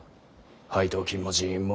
配当金も人員も。